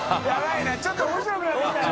いちょっと面白くなってきたよ？